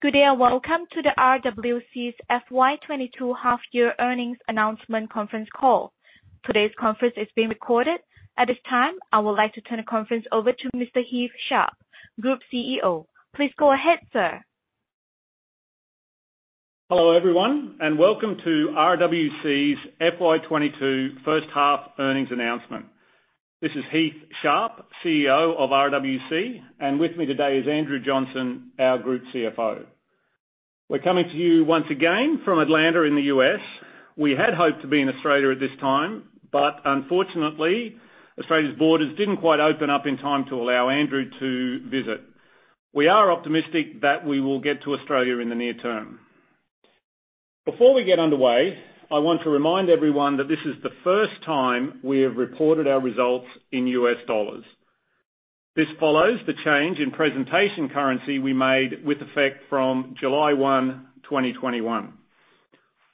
Good day, and welcome to the RWC's FY 2022 Half-Year Earnings Announcement Conference Call. Today's conference is being recorded. At this time, I would like to turn the conference over to Mr. Heath Sharp, Group CEO. Please go ahead, sir. Hello, everyone, and welcome to RWC's FY 2022 first half earnings announcement. This is Heath Sharp, CEO of RWC, and with me today is Andrew Johnson, our Group CFO. We're coming to you once again from Atlanta in the US. We had hoped to be in Australia at this time, but unfortunately, Australia's borders didn't quite open up in time to allow Andrew to visit. We are optimistic that we will get to Australia in the near term. Before we get underway, I want to remind everyone that this is the first time we have reported our results in U.S. dollars. This follows the change in presentation currency we made with effect from July 1, 2021.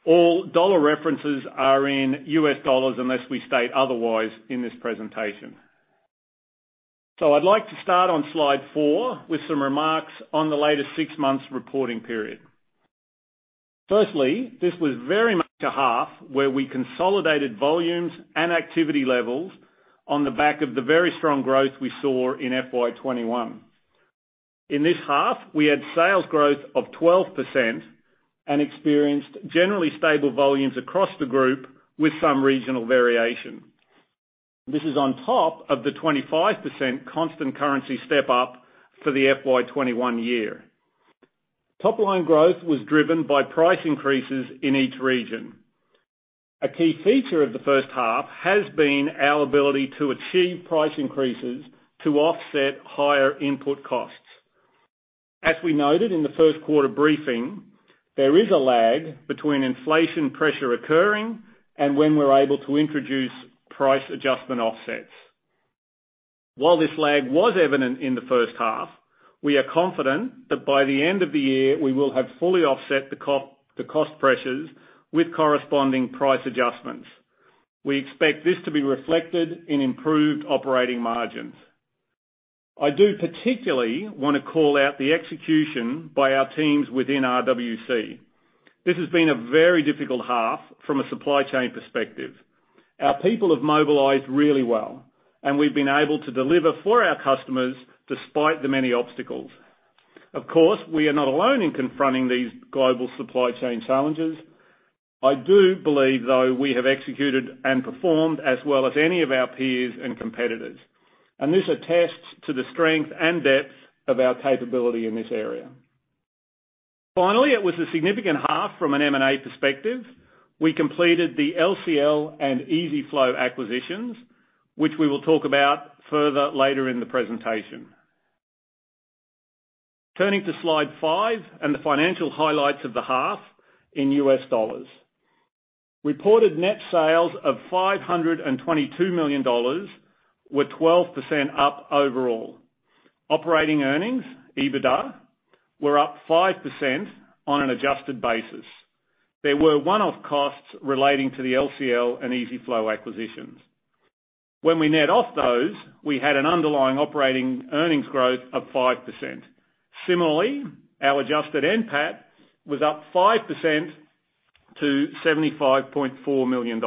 All dollar references are in U.S. dollars unless we state otherwise in this presentation. I'd like to start on slide four with some remarks on the latest six months reporting period. Firstly, this was very much a half where we consolidated volumes and activity levels on the back of the very strong growth we saw in FY 2021. In this half, we had sales growth of 12% and experienced generally stable volumes across the group with some regional variation. This is on top of the 25% constant currency step-up for the FY 2021 year. Top-line growth was driven by price increases in each region. A key feature of the first half has been our ability to achieve price increases to offset higher input costs. As we noted in the first quarter briefing, there is a lag between inflation pressure occurring and when we're able to introduce price adjustment offsets. While this lag was evident in the first half, we are confident that by the end of the year, we will have fully offset the cost pressures with corresponding price adjustments. We expect this to be reflected in improved operating margins. I do particularly wanna call out the execution by our teams within RWC. This has been a very difficult half from a supply chain perspective. Our people have mobilized really well, and we've been able to deliver for our customers despite the many obstacles. Of course, we are not alone in confronting these global supply chain challenges. I do believe, though, we have executed and performed as well as any of our peers and competitors. This attests to the strength and depth of our capability in this area. Finally, it was a significant half from an M&A perspective. We completed the LCL and EZ-FLO acquisitions, which we will talk about further later in the presentation. Turning to slide five and the financial highlights of the half in U.S. dollars. Reported net sales of $522 million were 12% up overall. Operating earnings, EBITDA, were up 5% on an adjusted basis. There were one-off costs relating to the LCL and EZ-FLO acquisitions. When we net off those, we had an underlying operating earnings growth of 5%. Similarly, our adjusted NPAT was up 5% to $75.4 million.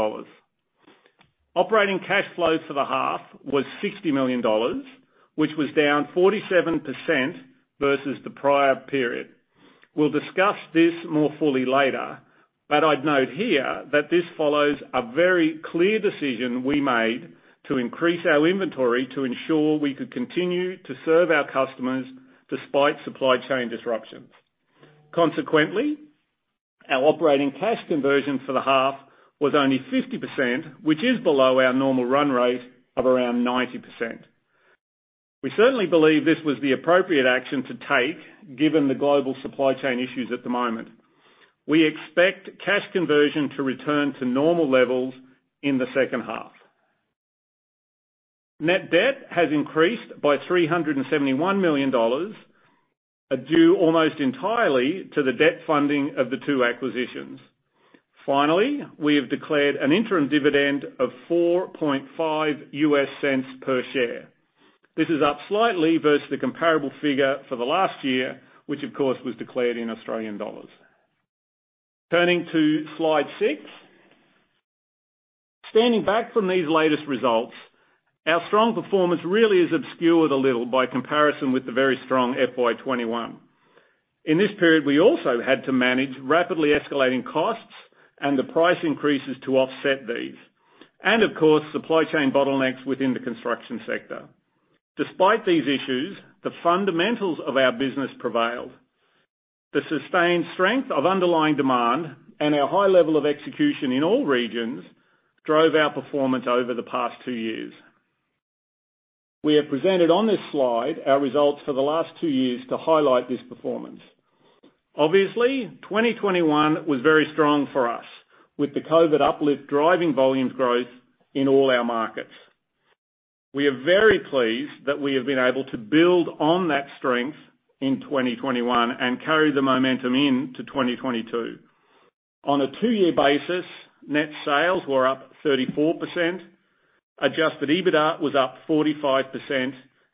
Operating cash flow for the half was $60 million, which was down 47% versus the prior period. We'll discuss this more fully later, but I'd note here that this follows a very clear decision we made to increase our inventory to ensure we could continue to serve our customers despite supply chain disruptions. Consequently, our operating cash conversion for the half was only 50%, which is below our normal run rate of around 90%. We certainly believe this was the appropriate action to take given the global supply chain issues at the moment. We expect cash conversion to return to normal levels in the second half. Net debt has increased by $371 million, due almost entirely to the debt funding of the two acquisitions. Finally, we have declared an interim dividend of $0.045 per share. This is up slightly versus the comparable figure for the last year, which of course was declared in Australian dollars. Turning to slide six. Standing back from these latest results, our strong performance really is obscured a little by comparison with the very strong FY 2021. In this period, we also had to manage rapidly escalating costs and the price increases to offset these. Of course, supply chain bottlenecks within the construction sector. Despite these issues, the fundamentals of our business prevailed. The sustained strength of underlying demand and our high level of execution in all regions drove our performance over the past two years. We have presented on this slide our results for the last two years to highlight this performance. Obviously, 2021 was very strong for us, with the COVID uplift driving volume growth in all our markets. We are very pleased that we have been able to build on that strength in 2021 and carry the momentum into 2022. On a two-year basis, net sales were up 34%, adjusted EBITDA was up 45%,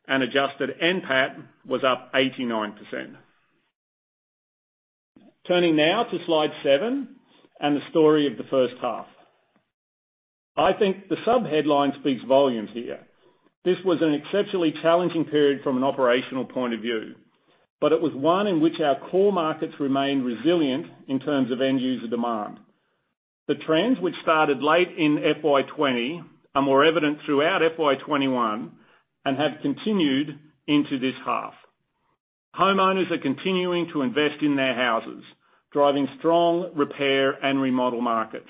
and adjusted NPAT was up 89%. Turning now to slide seven and the story of the first half. I think the subheadline speaks volumes here. This was an exceptionally challenging period from an operational point of view, but it was one in which our core markets remained resilient in terms of end user demand. The trends which started late in FY 2020 are more evident throughout FY 2021 and have continued into this half. Homeowners are continuing to invest in their houses, driving strong repair and remodel markets.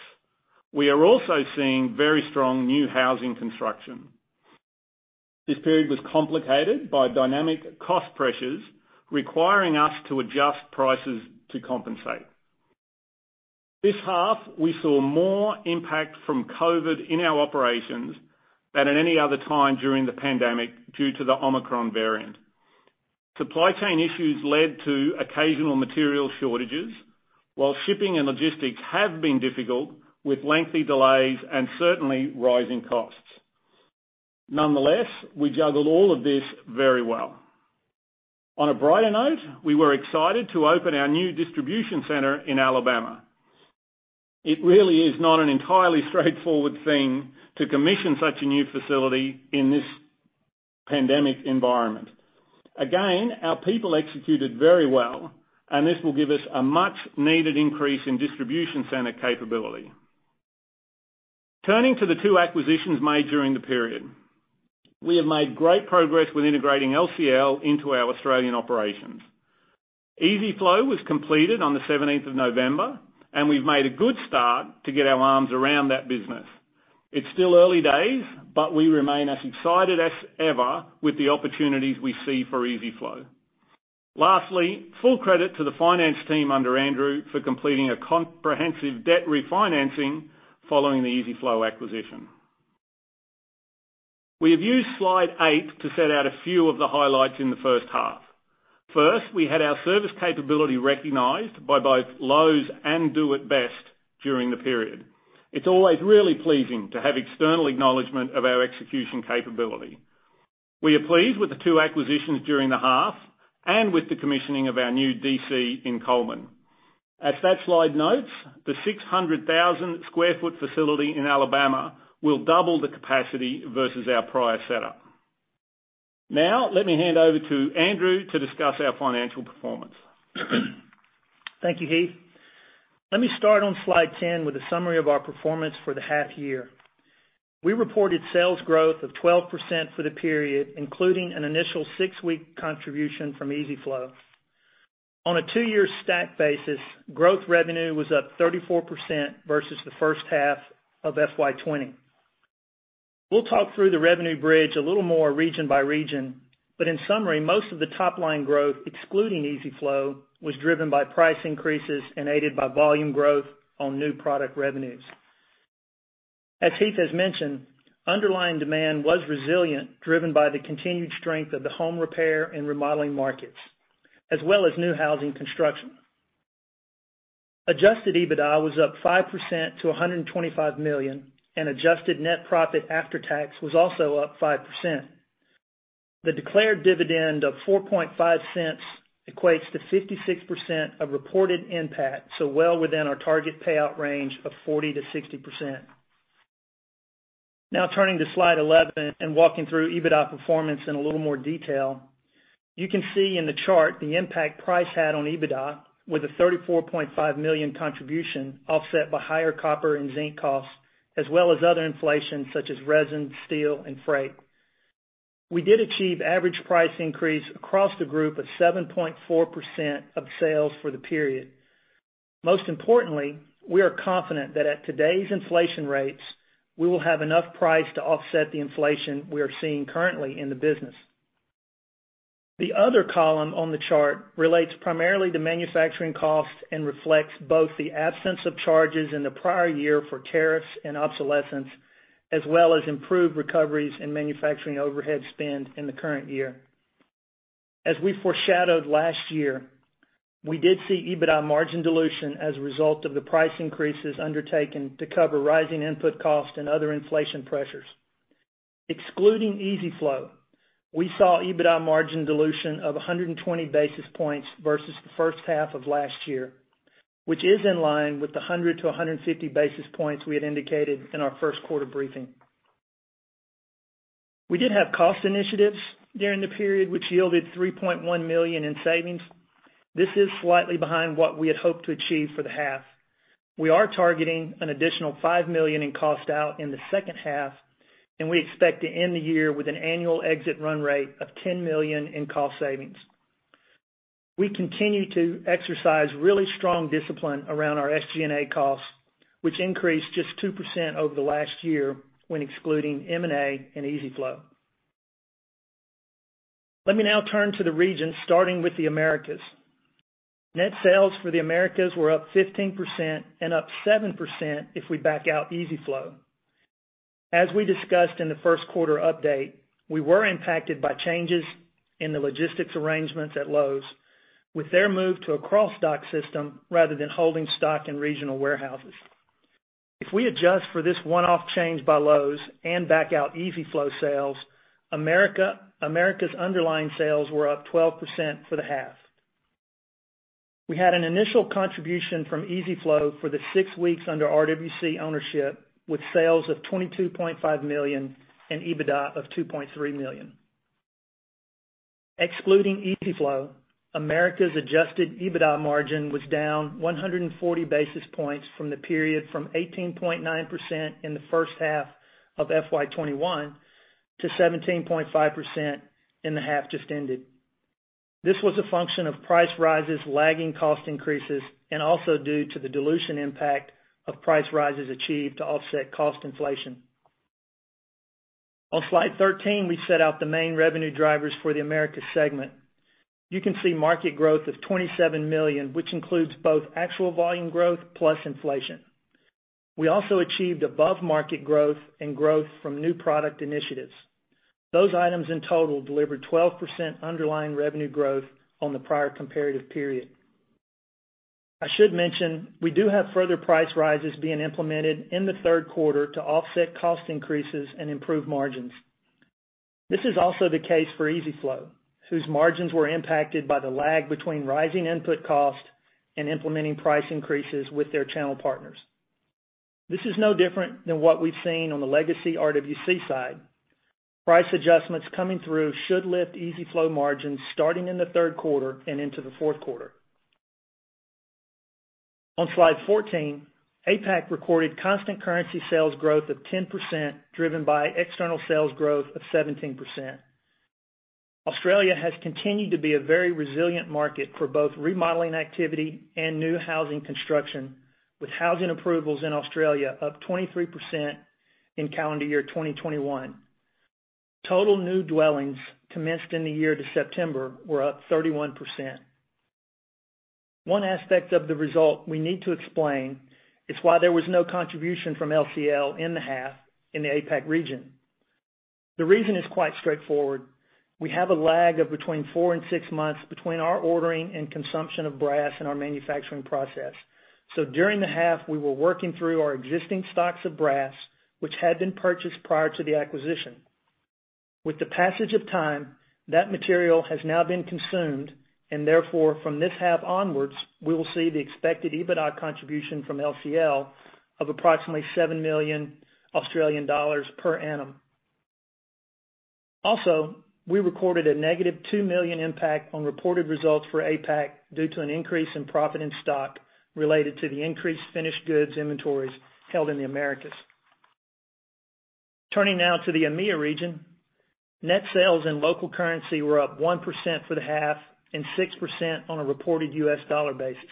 We are also seeing very strong new housing construction. This period was complicated by dynamic cost pressures requiring us to adjust prices to compensate. This half, we saw more impact from COVID in our operations than at any other time during the pandemic due to the Omicron variant. Supply chain issues led to occasional material shortages, while shipping and logistics have been difficult with lengthy delays and certainly rising costs. Nonetheless, we juggled all of this very well. On a brighter note, we were excited to open our new distribution center in Alabama. It really is not an entirely straightforward thing to commission such a new facility in this pandemic environment. Again, our people executed very well, and this will give us a much needed increase in distribution center capability. Turning to the two acquisitions made during the period. We have made great progress with integrating LCL into our Australian operations. EZ-FLO was completed on the 17th of November, and we've made a good start to get our arms around that business. It's still early days, but we remain as excited as ever with the opportunities we see for EZ-FLO. Lastly, full credit to the finance team under Andrew for completing a comprehensive debt refinancing following the EZ-FLO acquisition. We have used slide eight to set out a few of the highlights in the first half. First, we had our service capability recognized by both Lowe's and Do it Best during the period. It's always really pleasing to have external acknowledgment of our execution capability. We are pleased with the two acquisitions during the half and with the commissioning of our new DC in Cullman. As that slide notes, the 600,000 sq ft facility in Alabama will double the capacity versus our prior setup. Now, let me hand over to Andrew to discuss our financial performance. Thank you, Heath. Let me start on slide 10 with a summary of our performance for the half year. We reported sales growth of 12% for the period, including an initial six-week contribution from EZ-FLO. On a two-year stack basis, revenue growth was up 34% versus the first half of FY 2020. We'll talk through the revenue bridge a little more region by region, but in summary, most of the top line growth, excluding EZ-FLO, was driven by price increases and aided by volume growth on new product revenues. As Heath has mentioned, underlying demand was resilient, driven by the continued strength of the home repair and remodeling markets, as well as new housing construction. Adjusted EBITDA was up 5% to $125 million, and adjusted net profit after tax was also up 5%. The declared dividend of $0.045 equates to 56% of reported NPAT, so well within our target payout range of 40%-60%. Now, turning to slide 11 and walking through EBITDA performance in a little more detail. You can see in the chart the impact price had on EBITDA with a $34.5 million contribution offset by higher copper and zinc costs, as well as other inflation such as resin, steel, and freight. We did achieve average price increase across the group of 7.4% of sales for the period. Most importantly, we are confident that at today's inflation rates, we will have enough price to offset the inflation we are seeing currently in the business. The other column on the chart relates primarily to manufacturing costs and reflects both the absence of charges in the prior year for tariffs and obsolescence, as well as improved recoveries in manufacturing overhead spend in the current year. As we foreshadowed last year, we did see EBITDA margin dilution as a result of the price increases undertaken to cover rising input costs and other inflation pressures. Excluding EZ-FLO, we saw EBITDA margin dilution of 120 basis points versus the first half of last year, which is in line with the 100-150 basis points we had indicated in our first quarter briefing. We did have cost initiatives during the period, which yielded $3.1 million in savings. This is slightly behind what we had hoped to achieve for the half. We are targeting an additional $5 million in cost out in the second half, and we expect to end the year with an annual exit run rate of $10 million in cost savings. We continue to exercise really strong discipline around our SG&A costs, which increased just 2% over the last year when excluding M&A and EZ-FLO. Let me now turn to the regions, starting with the Americas. Net sales for the Americas were up 15% and up 7% if we back out EZ-FLO. As we discussed in the first quarter update, we were impacted by changes in the logistics arrangements at Lowe's with their move to a cross-dock system rather than holding stock in regional warehouses. If we adjust for this one-off change by Lowe's and back out EZ-FLO sales, Americas underlying sales were up 12% for the half. We had an initial contribution from EZ-FLO for the six weeks under RWC ownership, with sales of $22.5 million and EBITDA of $2.3 million. Excluding EZ-FLO, Americas adjusted EBITDA margin was down 140 basis points from 18.9% in the first half of FY 2021 to 17.5% in the half just ended. This was a function of price rises lagging cost increases and also due to the dilution impact of price rises achieved to offset cost inflation. On slide 13, we set out the main revenue drivers for the Americas segment. You can see market growth of $27 million, which includes both actual volume growth plus inflation. We also achieved above-market growth and growth from new product initiatives. Those items in total delivered 12% underlying revenue growth on the prior comparative period. I should mention, we do have further price rises being implemented in the third quarter to offset cost increases and improve margins. This is also the case for EZ-FLO, whose margins were impacted by the lag between rising input costs and implementing price increases with their channel partners. This is no different than what we've seen on the legacy RWC side. Price adjustments coming through should lift EZ-FLO margins starting in the third quarter and into the fourth quarter. On slide 14, APAC recorded constant currency sales growth of 10%, driven by external sales growth of 17%. Australia has continued to be a very resilient market for both remodeling activity and new housing construction, with housing approvals in Australia up 23% in calendar year 2021. Total new dwellings commenced in the year to September were up 31%. One aspect of the result we need to explain is why there was no contribution from LCL in the half in the APAC region. The reason is quite straightforward. We have a lag of between four and six months between our ordering and consumption of brass in our manufacturing process. During the half, we were working through our existing stocks of brass, which had been purchased prior to the acquisition. With the passage of time, that material has now been consumed, and therefore, from this half onwards, we will see the expected EBITDA contribution from LCL of approximately 7 million Australian dollars per annum. Also, we recorded a negative $2 million impact on reported results for APAC due to an increase in profit and stock related to the increased finished goods inventories held in the Americas. Turning now to the EMEA region. Net sales in local currency were up 1% for the half and 6% on a reported U.S. dollar basis.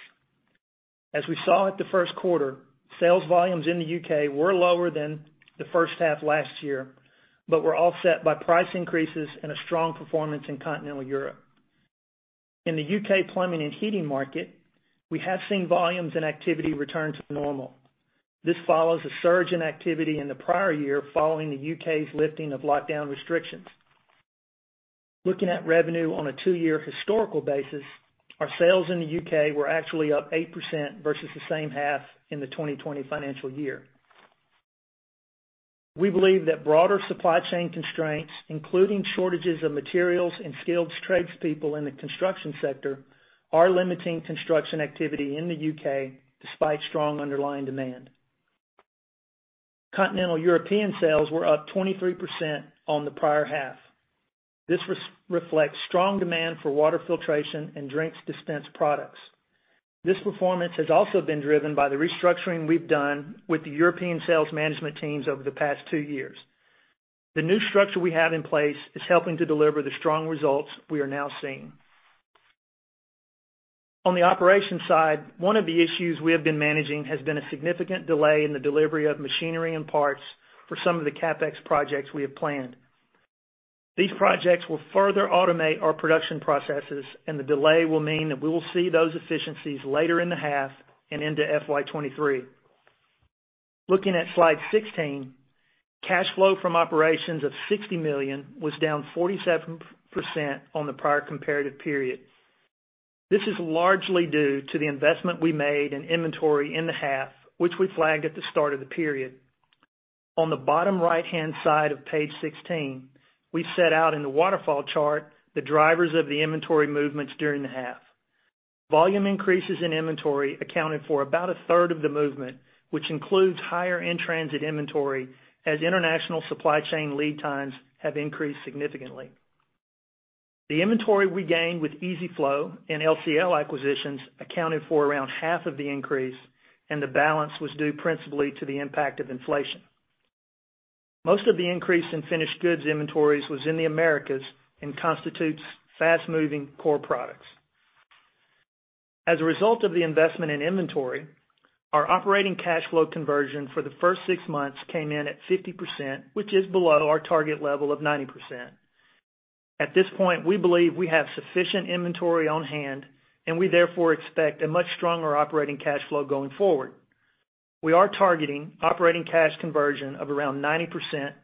As we saw at the first quarter, sales volumes in the U.K. were lower than the first half last year, but were offset by price increases and a strong performance in Continental Europe. In the U.K. plumbing and heating market, we have seen volumes and activity return to normal. This follows a surge in activity in the prior year following the U.K.'s lifting of lockdown restrictions. Looking at revenue on a two-year historical basis, our sales in the U.K. were actually up 8% versus the same half in the 2020 financial year. We believe that broader supply chain constraints, including shortages of materials and skilled tradespeople in the construction sector, are limiting construction activity in the U.K. despite strong underlying demand. Continental European sales were up 23% on the prior half. This reflects strong demand for water filtration and drinks dispense products. This performance has also been driven by the restructuring we've done with the European sales management teams over the past two years. The new structure we have in place is helping to deliver the strong results we are now seeing. On the operations side, one of the issues we have been managing has been a significant delay in the delivery of machinery and parts for some of the CapEx projects we have planned. These projects will further automate our production processes, and the delay will mean that we will see those efficiencies later in the half and into FY 2023. Looking at slide 16, cash flow from operations of $60 million was down 47% on the prior comparative period. This is largely due to the investment we made in inventory in the half, which we flagged at the start of the period. On the bottom right-hand side of page 16, we set out in the waterfall chart the drivers of the inventory movements during the half. Volume increases in inventory accounted for about a third of the movement, which includes higher in-transit inventory as international supply chain lead times have increased significantly. The inventory we gained with EZ-FLO and LCL acquisitions accounted for around half of the increase, and the balance was due principally to the impact of inflation. Most of the increase in finished goods inventories was in the Americas and constitutes fast-moving core products. As a result of the investment in inventory, our operating cash flow conversion for the first six months came in at 50%, which is below our target level of 90%. At this point, we believe we have sufficient inventory on hand, and we therefore expect a much stronger operating cash flow going forward. We are targeting operating cash conversion of around 90%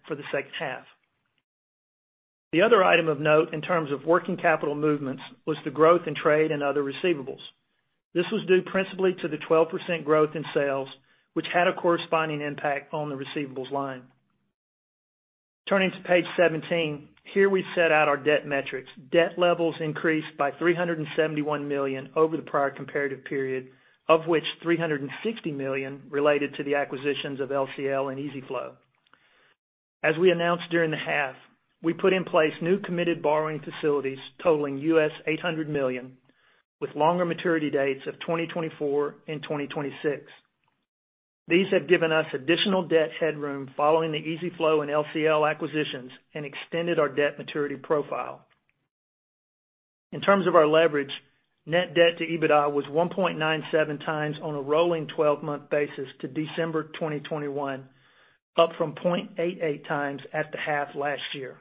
for the second half. The other item of note in terms of working capital movements was the growth in trade and other receivables. This was due principally to the 12% growth in sales, which had a corresponding impact on the receivables line. Turning to page 17, here we set out our debt metrics. Debt levels increased by $371 million over the prior comparative period, of which $360 million related to the acquisitions of LCL and EZ-FLO. As we announced during the half, we put in place new committed borrowing facilities totaling $800 million, with longer maturity dates of 2024 and 2026. These have given us additional debt headroom following the EZ-FLO and LCL acquisitions and extended our debt maturity profile. In terms of our leverage, net debt to EBITDA was 1.97x on a rolling 12-month basis to December 2021, up from 0.88x at the half last year.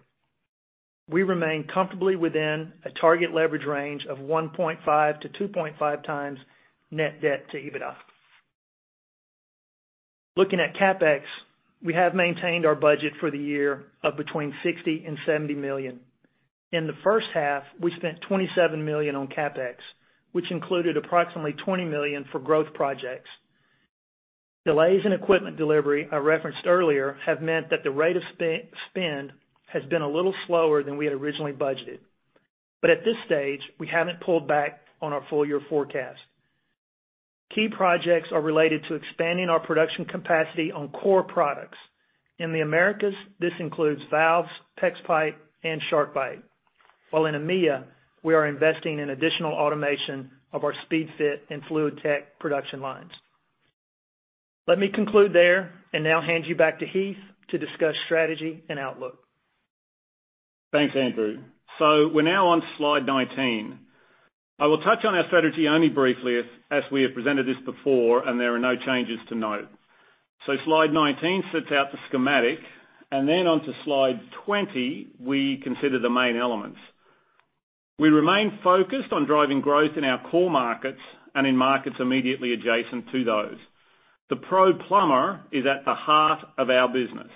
We remain comfortably within a target leverage range of 1.5-2.5x net debt to EBITDA. Looking at CapEx, we have maintained our budget for the year of between $60 million and $70 million. In the first half, we spent $27 million on CapEx, which included approximately $20 million for growth projects. Delays in equipment delivery I referenced earlier have meant that the rate of spend has been a little slower than we had originally budgeted. At this stage, we haven't pulled back on our full year forecast. Key projects are related to expanding our production capacity on core products. In the Americas, this includes valves, PEX pipe, and SharkBite. While in EMEA, we are investing in additional automation of our Speedfit and FluidTech production lines. Let me conclude there and now hand you back to Heath to discuss strategy and outlook. Thanks, Andrew. We're now on slide 19. I will touch on our strategy only briefly as we have presented this before, and there are no changes to note. Slide 19 sets out the schematic, and then on to slide 20, we consider the main elements. We remain focused on driving growth in our core markets and in markets immediately adjacent to those. The pro plumber is at the heart of our business.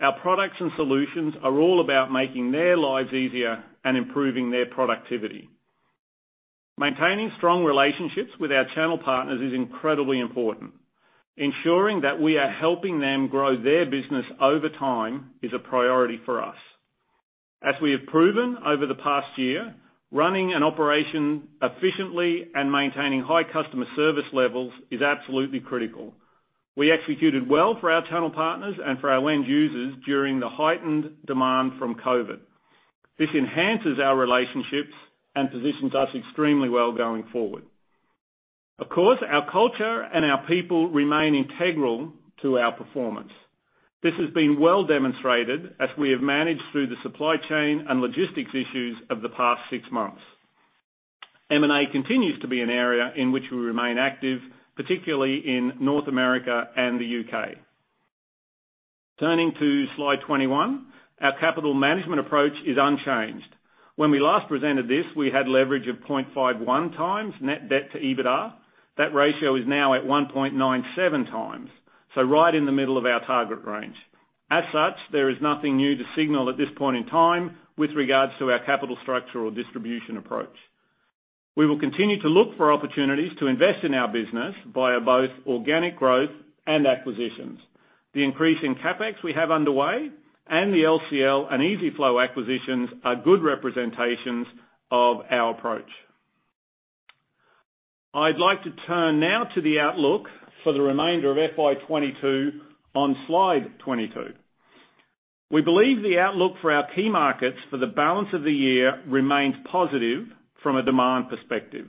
Our products and solutions are all about making their lives easier and improving their productivity. Maintaining strong relationships with our channel partners is incredibly important. Ensuring that we are helping them grow their business over time is a priority for us. As we have proven over the past year, running an operation efficiently and maintaining high customer service levels is absolutely critical. We executed well for our channel partners and for our end users during the heightened demand from COVID. This enhances our relationships and positions us extremely well going forward. Of course, our culture and our people remain integral to our performance. This has been well demonstrated as we have managed through the supply chain and logistics issues of the past six months. M&A continues to be an area in which we remain active, particularly in North America and the U.K. Turning to slide 21, our capital management approach is unchanged. When we last presented this, we had leverage of 0.51x net debt to EBITDA. That ratio is now at 1.97x, so right in the middle of our target range. As such, there is nothing new to signal at this point in time with regards to our capital structure or distribution approach. We will continue to look for opportunities to invest in our business via both organic growth and acquisitions. The increase in CapEx we have underway and the LCL and EZ-FLO acquisitions are good representations of our approach. I'd like to turn now to the outlook for the remainder of FY 2022 on slide 22. We believe the outlook for our key markets for the balance of the year remains positive from a demand perspective.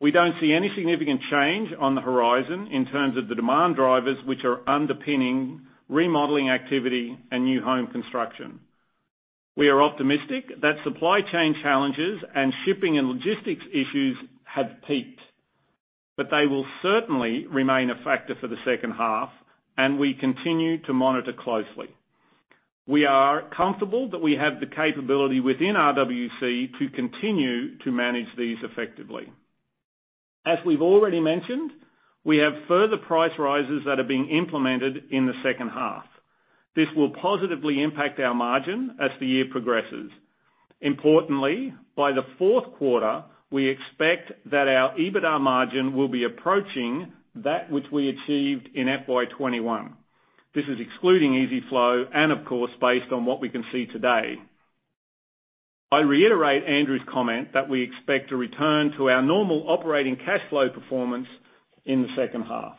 We don't see any significant change on the horizon in terms of the demand drivers, which are underpinning remodeling activity and new home construction. We are optimistic that supply chain challenges and shipping and logistics issues have peaked, but they will certainly remain a factor for the second half, and we continue to monitor closely. We are comfortable that we have the capability within RWC to continue to manage these effectively. As we've already mentioned, we have further price rises that are being implemented in the second half. This will positively impact our margin as the year progresses. Importantly, by the fourth quarter, we expect that our EBITDA margin will be approaching that which we achieved in FY 2021. This is excluding EZ-FLO and of course, based on what we can see today. I reiterate Andrew's comment that we expect to return to our normal operating cash flow performance in the second half.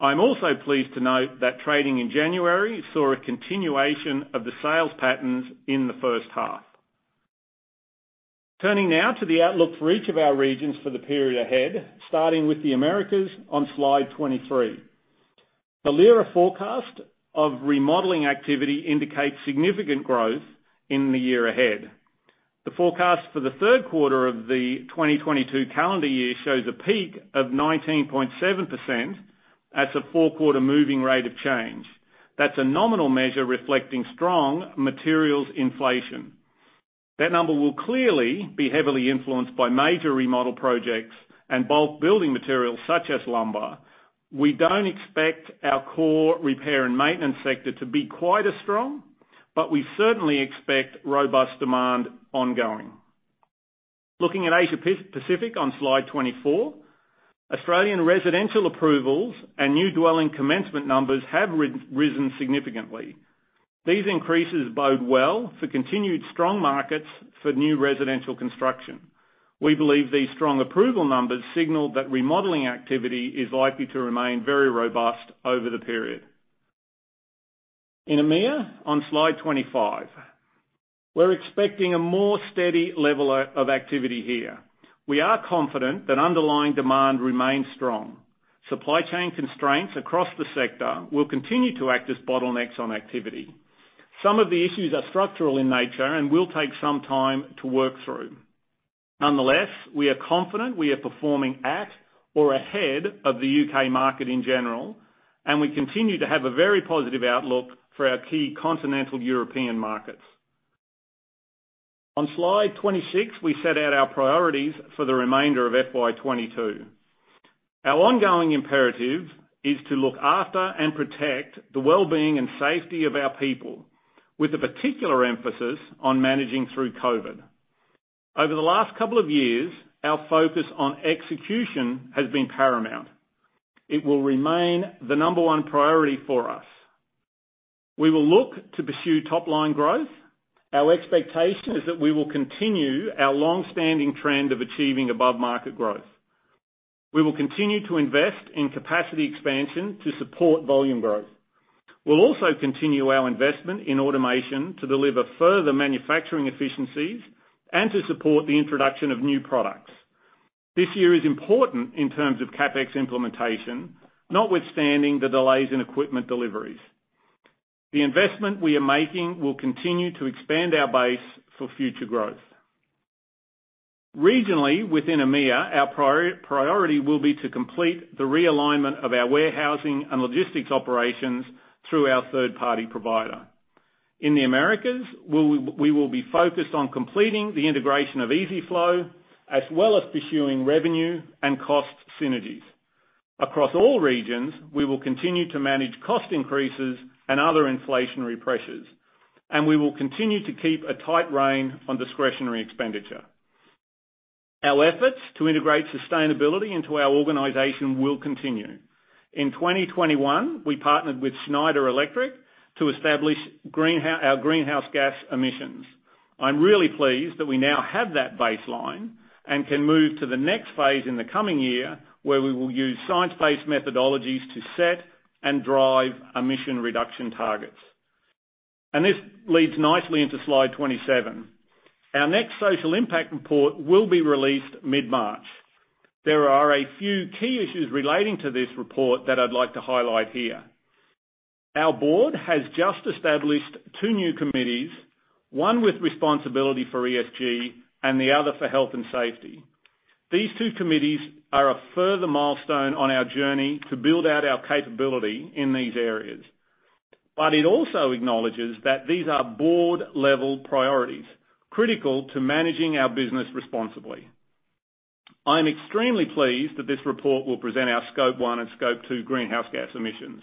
I'm also pleased to note that trading in January saw a continuation of the sales patterns in the first half. Turning now to the outlook for each of our regions for the period ahead, starting with the Americas on slide 23. The LIRA forecast of remodeling activity indicates significant growth in the year ahead. The forecast for the third quarter of the 2022 calendar year shows a peak of 19.7%. That's a four-quarter moving rate of change. That's a nominal measure reflecting strong materials inflation. That number will clearly be heavily influenced by major remodel projects and bulk building materials, such as lumber. We don't expect our core repair and maintenance sector to be quite as strong, but we certainly expect robust demand ongoing. Looking at Asia-Pacific on slide 24, Australian residential approvals and new dwelling commencement numbers have risen significantly. These increases bode well for continued strong markets for new residential construction. We believe these strong approval numbers signal that remodeling activity is likely to remain very robust over the period. In EMEA, on slide 25, we're expecting a more steady level of activity here. We are confident that underlying demand remains strong. Supply chain constraints across the sector will continue to act as bottlenecks on activity. Some of the issues are structural in nature and will take some time to work through. Nonetheless, we are confident we are performing at or ahead of the U.K. market in general, and we continue to have a very positive outlook for our key continental European markets. On slide 26, we set out our priorities for the remainder of FY 2022. Our ongoing imperative is to look after and protect the wellbeing and safety of our people with a particular emphasis on managing through COVID. Over the last couple of years, our focus on execution has been paramount. It will remain the number one priority for us. We will look to pursue top-line growth. Our expectation is that we will continue our long-standing trend of achieving above market growth. We will continue to invest in capacity expansion to support volume growth. We'll also continue our investment in automation to deliver further manufacturing efficiencies and to support the introduction of new products. This year is important in terms of CapEx implementation, notwithstanding the delays in equipment deliveries. The investment we are making will continue to expand our base for future growth. Regionally, within EMEA, our priority will be to complete the realignment of our warehousing and logistics operations through our third-party provider. In the Americas, we will be focused on completing the integration of EZ-FLO, as well as pursuing revenue and cost synergies. Across all regions, we will continue to manage cost increases and other inflationary pressures, and we will continue to keep a tight rein on discretionary expenditure. Our efforts to integrate sustainability into our organization will continue. In 2021, we partnered with Schneider Electric to establish our greenhouse gas emissions. I'm really pleased that we now have that baseline and can move to the next phase in the coming year, where we will use science-based methodologies to set and drive emission reduction targets. This leads nicely into slide 27. Our next social impact report will be released mid-March. There are a few key issues relating to this report that I'd like to highlight here. Our board has just established two new committees, one with responsibility for ESG and the other for health and safety. These two committees are a further milestone on our journey to build out our capability in these areas. It also acknowledges that these are board-level priorities, critical to managing our business responsibly. I am extremely pleased that this report will present our Scope 1 and Scope 2 greenhouse gas emissions.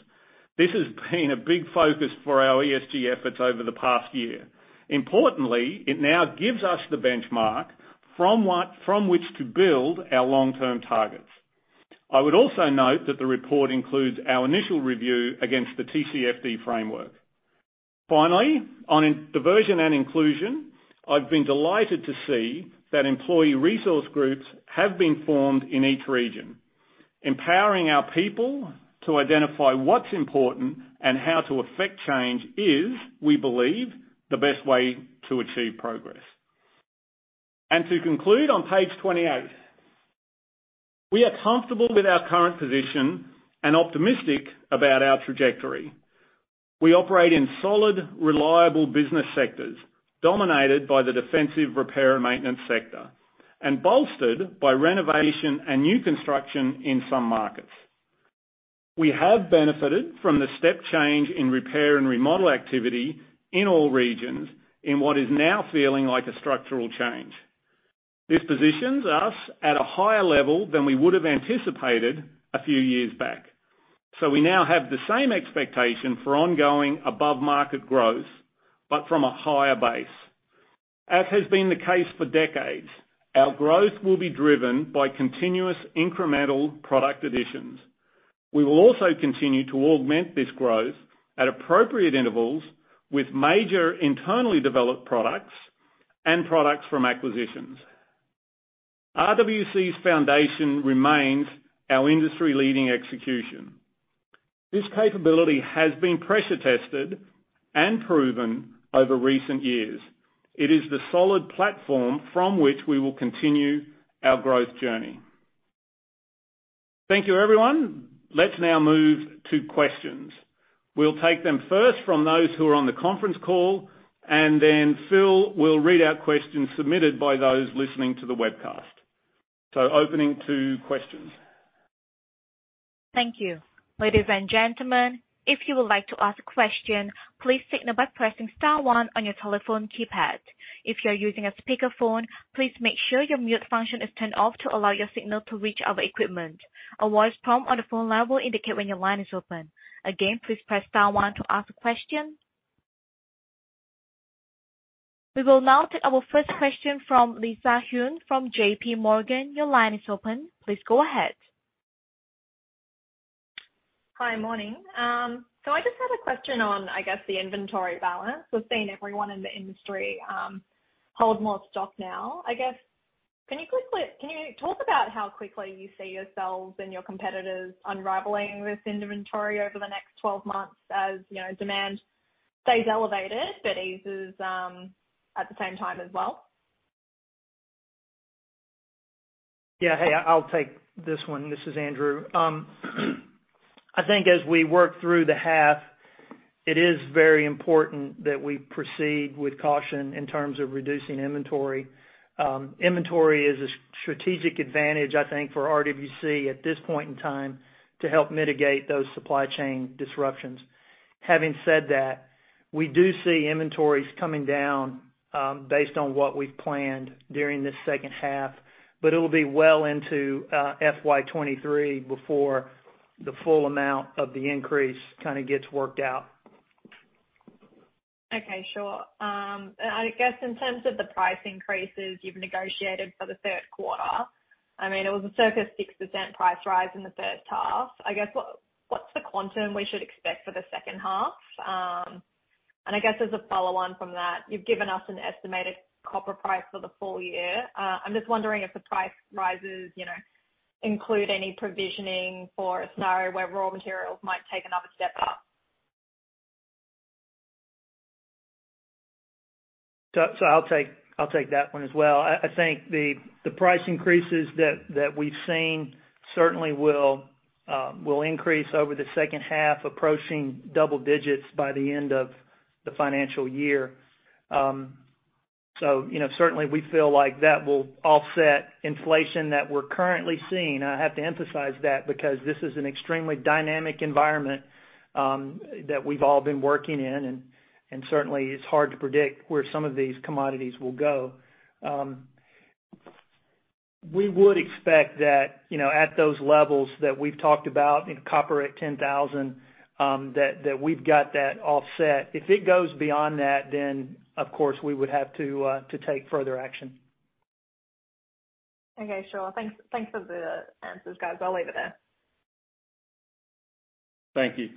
This has been a big focus for our ESG efforts over the past year. Importantly, it now gives us the benchmark from which to build our long-term targets. I would also note that the report includes our initial review against the TCFD framework. Finally, on diversity and inclusion, I've been delighted to see that employee resource groups have been formed in each region. Empowering our people to identify what's important and how to affect change is, we believe, the best way to achieve progress. To conclude on page 28, we are comfortable with our current position and optimistic about our trajectory. We operate in solid, reliable business sectors, dominated by the defensive repair and maintenance sector, and bolstered by renovation and new construction in some markets. We have benefited from the step change in repair and remodel activity in all regions in what is now feeling like a structural change. This positions us at a higher level than we would have anticipated a few years back. We now have the same expectation for ongoing above-market growth, but from a higher base. As has been the case for decades, our growth will be driven by continuous incremental product additions. We will also continue to augment this growth at appropriate intervals with major internally developed products and products from acquisitions. RWC's foundation remains our industry-leading execution. This capability has been pressure tested and proven over recent years. It is the solid platform from which we will continue our growth journey. Thank you, everyone. Let's now move to questions. We'll take them first from those who are on the conference call, and then Phil will read out questions submitted by those listening to the webcast. Opening to questions. Thank you. Ladies and gentlemen, if you would like to ask a question, please signal by pressing star one on your telephone keypad. If you are using a speakerphone, please make sure your mute function is turned off to allow your signal to reach our equipment. A voice prompt on the phone line will indicate when your line is open. Again, please press star one to ask a question. We will now take our first question from Lisa Huynh from J.P. Morgan. Your line is open. Please go ahead. Hi. Morning. I just had a question on, I guess, the inventory balance. We've seen everyone in the industry hold more stock now. I guess, can you talk about how quickly you see yourselves and your competitors unraveling this inventory over the next 12 months as, you know, demand stays elevated but eases at the same time as well? Yeah. Hey, I'll take this one. This is Andrew. I think as we work through the half, it is very important that we proceed with caution in terms of reducing inventory. Inventory is a strategic advantage, I think, for RWC at this point in time to help mitigate those supply chain disruptions. Having said that, we do see inventories coming down, based on what we've planned during this second half, but it'll be well into FY 2023 before the full amount of the increase kinda gets worked out. Okay. Sure. I guess in terms of the price increases you've negotiated for the third quarter, I mean, it was a circa 6% price rise in the third half. I guess, what's the quantum we should expect for the second half? I guess as a follow on from that, you've given us an estimated copper price for the full year. I'm just wondering if the price rises, you know, include any provisioning for a scenario where raw materials might take another step up. I'll take that one as well. I think the price increases that we've seen certainly will increase over the second half, approaching double digits by the end of the financial year. You know, certainly we feel like that will offset inflation that we're currently seeing. I have to emphasize that because this is an extremely dynamic environment that we've all been working in, and certainly it's hard to predict where some of these commodities will go. We would expect that, you know, at those levels that we've talked about, you know, copper at 10,000, that we've got that offset. If it goes beyond that, then, of course, we would have to take further action. Okay. Sure. Thanks for the answers, guys. I'll leave it there. Thank you.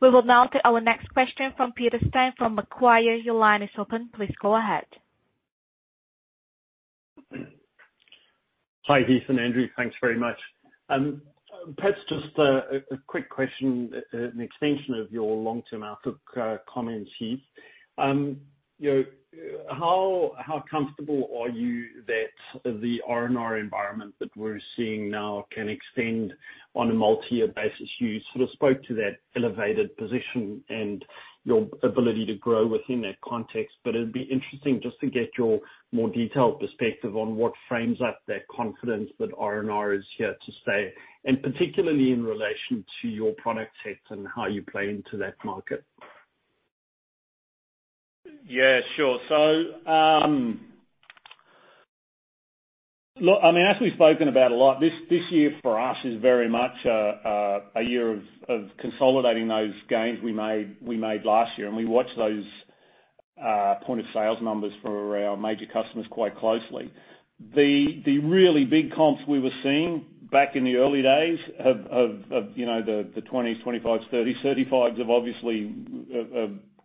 We will now take our next question from Peter Steyn from Macquarie. Your line is open. Please go ahead. Hi, Heath and Andrew. Thanks very much. Perhaps just a quick question, an extension of your long-term outlook, comments, Heath. You know, how comfortable are you that the R&R environment that we're seeing now can extend on a multi-year basis? You sort of spoke to that elevated position and your ability to grow within that context, but it'd be interesting just to get your more detailed perspective on what frames up that confidence that R&R is here to stay, and particularly in relation to your product set and how you play into that market. Yeah, sure. Look, I mean, as we've spoken about a lot, this year for us is very much a year of consolidating those gains we made last year. We watch those points of sale numbers for our major customers quite closely. The really big comps we were seeing back in the early days of you know the 20s, 25s, 30s, 35s have obviously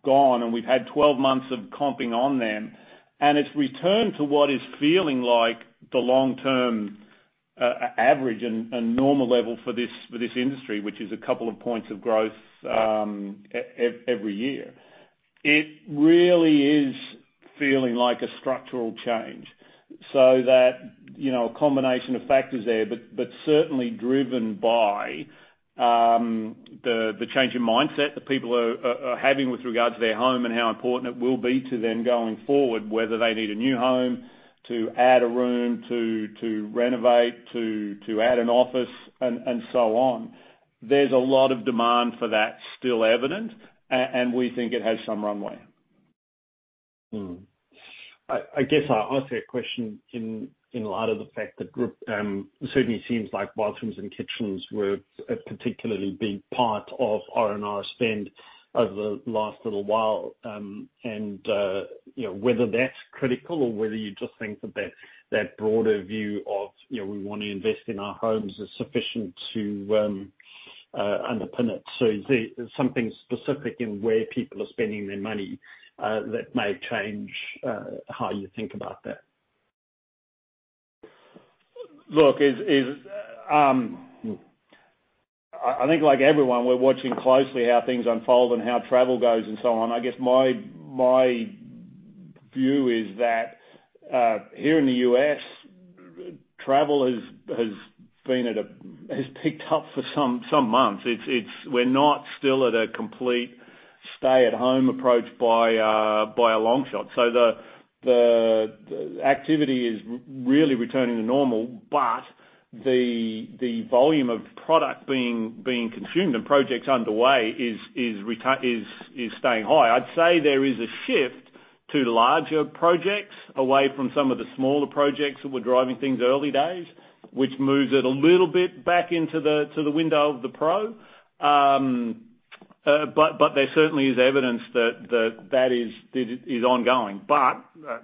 gone, and we've had 12 months of comping on them. It's returned to what is feeling like the long-term average and normal level for this industry, which is a couple of points of growth every year. It really is feeling like a structural change. That, you know, a combination of factors there, but certainly driven by the change in mindset that people are having with regards to their home and how important it will be to them going forward, whether they need a new home, to add a room, to renovate, to add an office, and so on. There's a lot of demand for that still evident, and we think it has some runway. I guess I ask that question in light of the fact that group certainly seems like bathrooms and kitchens were a particularly big part of R&R spend over the last little while, and you know, whether that's critical or whether you just think that broader view of you know, we wanna invest in our homes is sufficient to underpin it. Is there something specific in where people are spending their money that may change how you think about that? Look, like everyone, we're watching closely how things unfold and how travel goes and so on. I guess our view is that here in the U.S., travel has picked up for some months. We're not still at a complete stay-at-home approach by a long shot. The activity is really returning to normal. The volume of product being consumed and projects underway is staying high. I'd say there is a shift to larger projects away from some of the smaller projects that were driving things early days, which moves it a little bit back into the window of the pro. There certainly is evidence that is ongoing.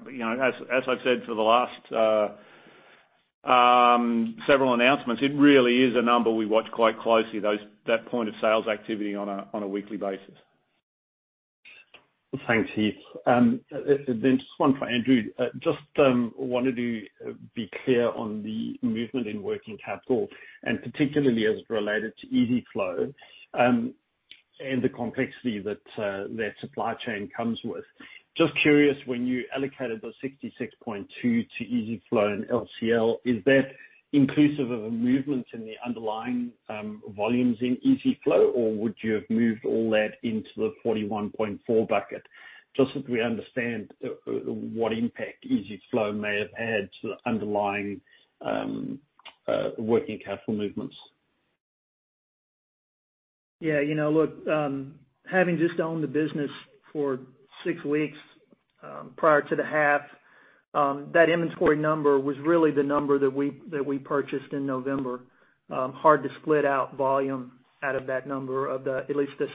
You know, as I've said for the last several announcements, it really is a number we watch quite closely, that point of sales activity on a weekly basis. Thanks, Heath. Just one for Andrew. Just wanted to be clear on the movement in working capital, and particularly as it related to EZ-FLO, and the complexity that their supply chain comes with. Just curious, when you allocated the 66.2 to EZ-FLO and LCL, is that inclusive of a movement in the underlying volumes in EZ-FLO? Or would you have moved all that into the $41.4 bucket? Just so we understand what impact EZ-FLO may have had to the underlying working capital movements. Yeah, you know, look, having just owned the business for six weeks prior to the half, that inventory number was really the number that we purchased in November. Hard to split out volume out of that number, at least the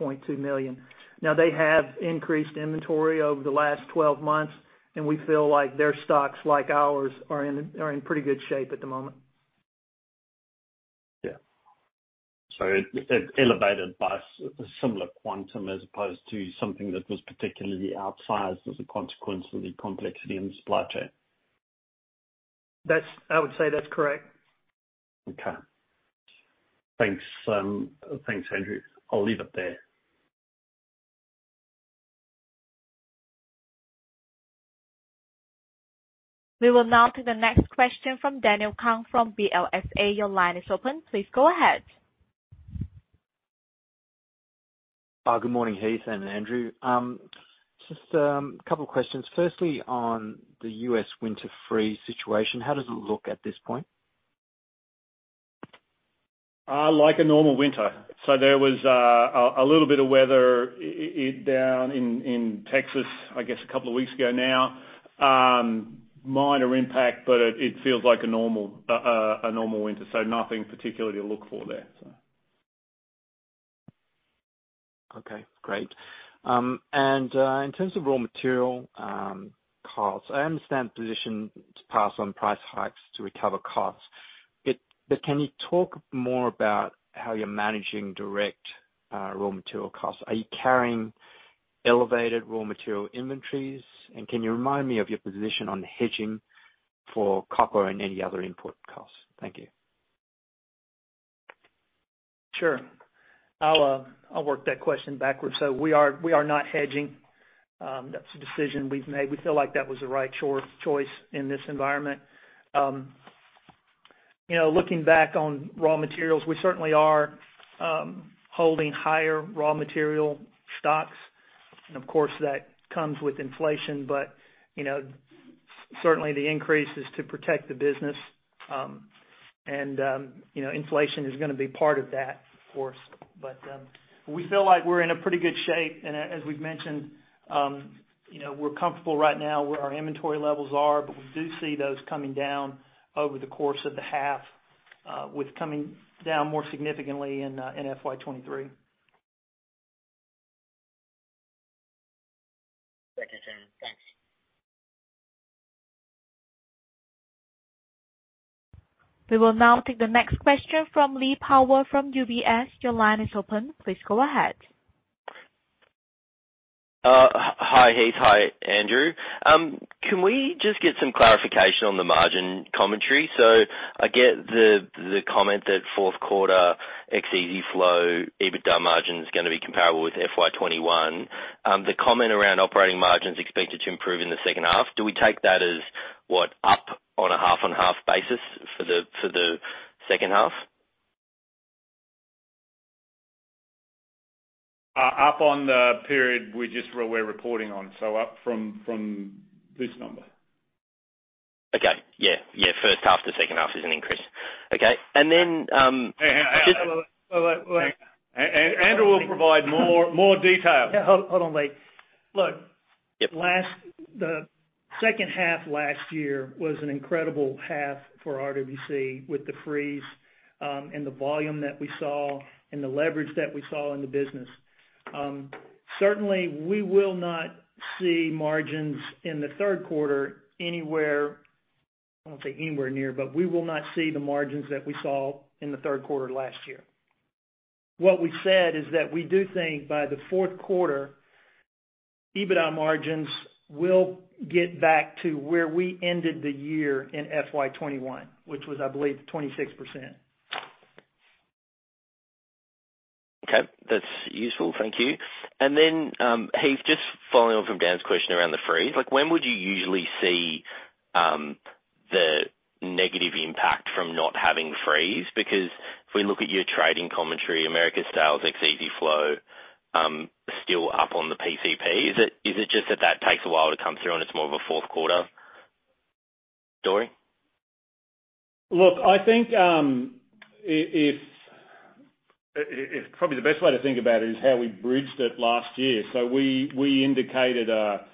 $66.2 million. Now they have increased inventory over the last 12 months, and we feel like their stocks, like ours, are in pretty good shape at the moment. Yeah. It elevated by similar quantum as opposed to something that was particularly outsized as a consequence of the complexity in the supply chain. That's. I would say that's correct. Okay. Thanks, Andrew. I'll leave it there. We will now take the next question from Daniel Kang from CLSA. Your line is open. Please go ahead. Good morning, Heath and Andrew. Just a couple questions, firstly, on the U.S. winter freeze situation. How does it look at this point? Like a normal winter. There was a little bit of weather down in Texas, I guess a couple of weeks ago now. Minor impact, but it feels like a normal winter, so nothing particular to look for there. Okay, great. In terms of raw material costs, I understand the position to pass on price hikes to recover costs. Can you talk more about how you're managing direct raw material costs? Are you carrying elevated raw material inventories? And can you remind me of your position on hedging for copper and any other input costs? Thank you. Sure. I'll work that question backwards. We are not hedging. That's a decision we've made. We feel like that was the right choice in this environment. You know, looking back on raw materials, we certainly are holding higher raw material stocks. Of course, that comes with inflation, but you know, certainly the increase is to protect the business. You know, inflation is gonna be part of that, of course. We feel like we're in a pretty good shape. As we've mentioned, you know, we're comfortable right now where our inventory levels are, but we do see those coming down over the course of the half. We're coming down more significantly in FY 2023. Thank you, Andrew. Thanks. We will now take the next question from Lee Power from UBS. Your line is open. Please go ahead. Hi, Heath. Hi, Andrew. Can we just get some clarification on the margin commentary? I get the comment that fourth quarter EZ-FLO EBITDA margin is gonna be comparable with FY 2021. The comment around operating margins expected to improve in the second half, do we take that as what, up on a half-on-half basis for the second half? Up on the period we're reporting on. Up from this number. Okay. Yeah, yeah. First half to second half is an increase. Okay. Hang on. Wait. Andrew will provide more detail. Yeah. Hold on, Lee. Look. Yep. The second half last year was an incredible half for RWC with the freeze, and the volume that we saw and the leverage that we saw in the business. Certainly, we will not see margins in the third quarter anywhere, I won't say anywhere near, but we will not see the margins that we saw in the third quarter last year. What we said is that we do think by the fourth quarter, EBITDA margins will get back to where we ended the year in FY 2021, which was, I believe, 26%. Okay. That's useful. Thank you. Heath, just following on from Dan's question around the freeze. Like, when would you usually see the negative impact from not having freeze? Because if we look at your trading commentary, America sales ex EZ-FLO still up on the PCP. Is it just that that takes a while to come through and it's more of a fourth quarter story? Look, I think probably the best way to think about it is how we bridged it last year. We indicated a,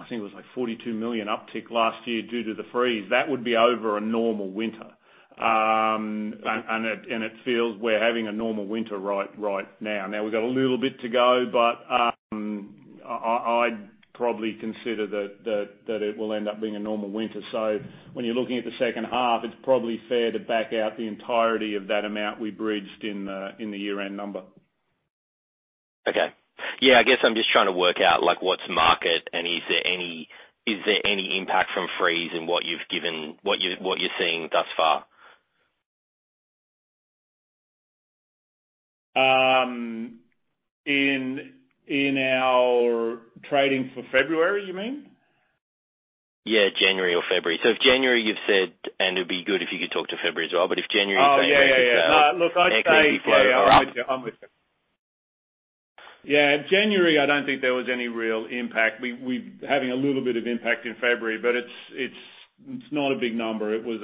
I think it was like $42 million uptick last year due to the freeze. That would be over a normal winter. It feels we're having a normal winter right now. Now we've got a little bit to go, but I'd probably consider that it will end up being a normal winter. When you're looking at the second half, it's probably fair to back out the entirety of that amount we bridged in in the year-end number. Okay. Yeah, I guess I'm just trying to work out, like, what's market, and is there any impact from freeze in what you're seeing thus far? In our trading for February, you mean? Yeah, January or February. If January, you've said, and it'd be good if you could talk to February as well, but if January is saying- Oh, yeah. Sales are up. No, look, I'd say I'm with you. I'm with you. Yeah, January, I don't think there was any real impact. We're having a little bit of impact in February, but it's not a big number. It was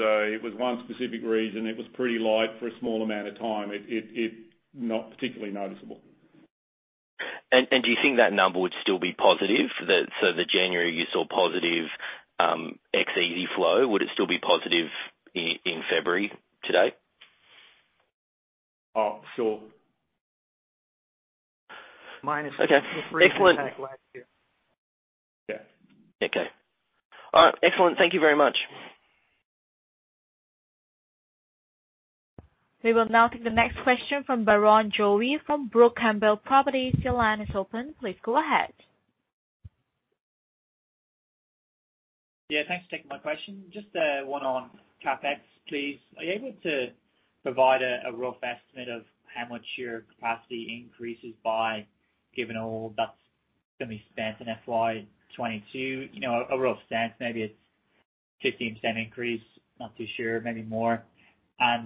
one specific reason. It was pretty light for a small amount of time. It's not particularly noticeable. Do you think that number would still be positive? So the January you saw positive EZ-FLO, would it still be positive in February today? Oh, sure. Minus- Okay. Excellent. The freeze impact last year. Yeah. Okay. All right. Excellent. Thank you very much. We will now take the next question from Barrenjoey from Brooke Campbell Properties. Your line is open. Please go ahead. Yeah, thanks for taking my question. Just one on CapEx, please. Are you able to provide a rough estimate of how much your capacity increases by given all that's gonna be spent in FY 2022? You know, a rough sense, maybe it's 15% increase, not too sure, maybe more. As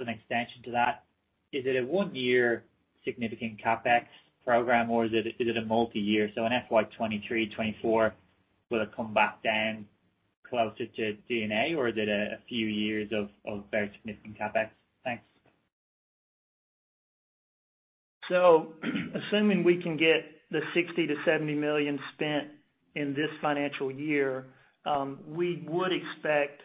an extension to that, is it a one-year significant CapEx program, or is it a multi-year? In FY 2023, 2024, will it come back down closer to D&A or is it a few years of very significant CapEx? Thanks. Assuming we can get the $60-$70 million spent in this financial year, we would expect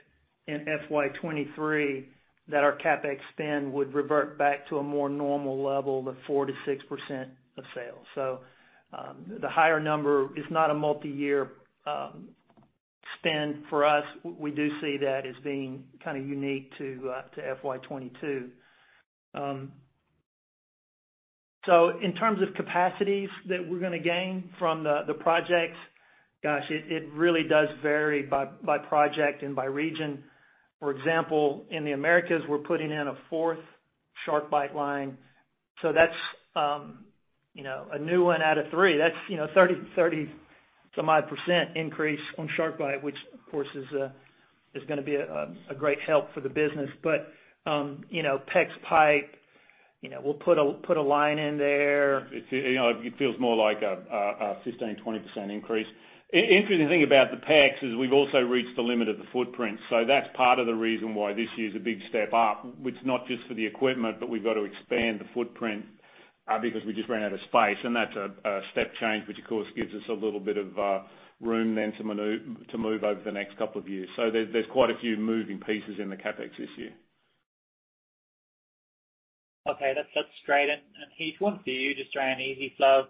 in FY 2023 that our CapEx spend would revert back to a more normal level of 4%-6% of sales. The higher number is not a multi-year spend for us. We do see that as being kinda unique to FY 2022. In terms of capacities that we're gonna gain from the projects, gosh, it really does vary by project and by region. For example, in the Americas, we're putting in a fourth SharkBite line. That's a new one out of three. That's 30 some odd percent increase on SharkBite, which of course is gonna be a great help for the business. You know, PEX pipe, you know, we'll put a line in there. It feels more like a 15%-20% increase. Interesting thing about the PEX is we've also reached the limit of the footprint. That's part of the reason why this year's a big step up. It's not just for the equipment, but we've got to expand the footprint because we just ran out of space, and that's a step change, which of course gives us a little bit of room then to move over the next couple of years. There's quite a few moving pieces in the CapEx this year. Okay. That's great. Heath, one for you, just around EZ-FLO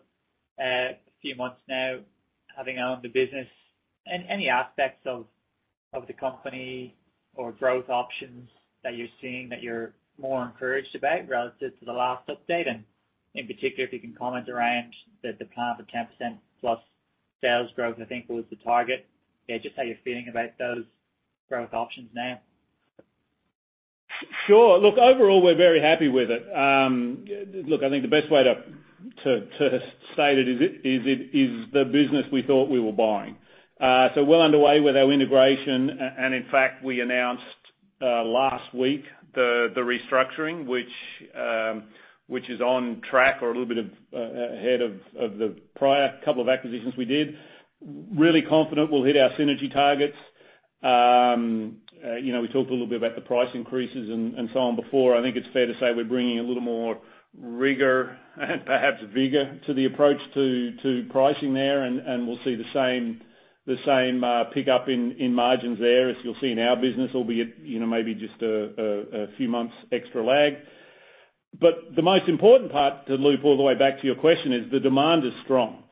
a few months now, having owned the business. Any aspects of the company or growth options that you're seeing that you're more encouraged about relative to the last update? In particular, if you can comment around the plan for 10% plus sales growth, I think was the target. Yeah, just how you're feeling about those growth options now. Sure. Look, overall, we're very happy with it. Look, I think the best way to state it is the business we thought we were buying. We're underway with our integration, and in fact, we announced last week the restructuring, which is on track or a little bit ahead of the prior couple of acquisitions we did. Really confident we'll hit our synergy targets. You know, we talked a little bit about the price increases and so on before. I think it's fair to say we're bringing a little more rigor and perhaps vigor to the approach to pricing there, and we'll see the same pickup in margins there, as you'll see in our business, albeit, you know, maybe just a few months extra lag. The most important part, to loop all the way back to your question, is the demand is strong.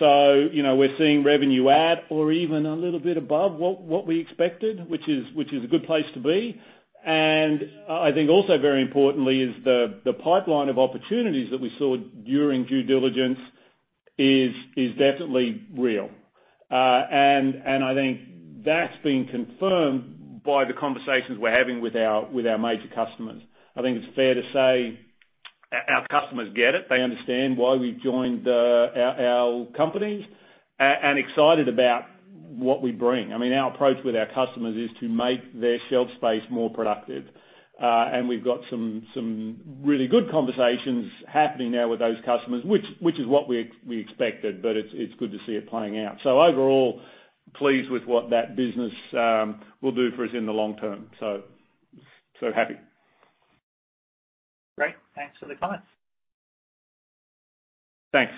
You know, we're seeing revenue at or even a little bit above what we expected, which is a good place to be. I think also very importantly is the pipeline of opportunities that we saw during due diligence is definitely real. I think that's been confirmed by the conversations we're having with our major customers. I think it's fair to say our customers get it. They understand why we've joined our companies and excited about what we bring. I mean, our approach with our customers is to make their shelf space more productive. We've got some really good conversations happening now with those customers, which is what we expected, but it's good to see it playing out. Overall, pleased with what that business will do for us in the long term. Happy. Great. Thanks for the comments. Thanks.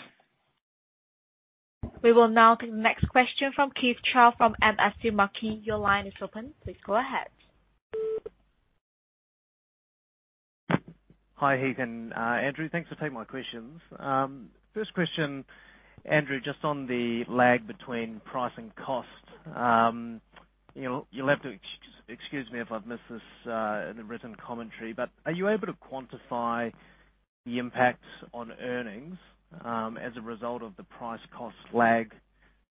We will now take the next question from Keith Chau from MST Marquee. Your line is open. Please go ahead. Hi, Heath and Andrew. Thanks for taking my questions. First question, Andrew, just on the lag between price and cost. You'll have to excuse me if I've missed this in the written commentary, but are you able to quantify the impacts on earnings as a result of the price cost lag